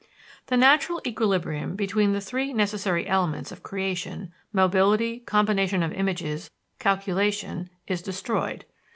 The natural equilibrium between the three necessary elements of creation mobility, combination of images, calculation is destroyed.